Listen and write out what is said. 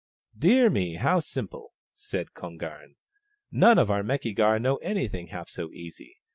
" Dear me, how simple !" said Kon garn. " None of our Meki gar know anything half so easy.